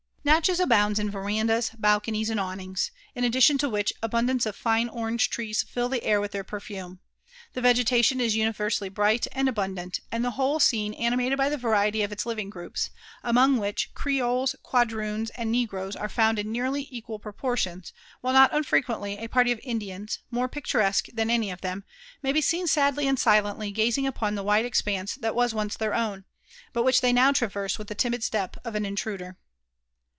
Natchez. abounds in verandas, balconies, and awnings; in addition to which, abundance of ine orange trees fill the air with their perfume. The vegetation is universally bright and abundant, and the whole scene animated by the variety of its living groups ; among which, creoles,.quadroons, and negroes are found in nearly equal proportions ; while not unfrequently a party of Indians, more picturesque than any of them, may be seen sadly and silently gazing upon the wide expanse that was ence their own, but which they now traverse with the timid step of an intruder.